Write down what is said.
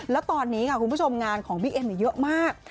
แล้วตอนนี้ค่ะคุณผู้ชมงานของบิ๊กเอ็มเยอะมาก